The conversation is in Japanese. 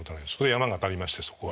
山が当たりましてそこは。